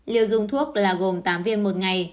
liều dùng thuốc là gồm tám viên một ngày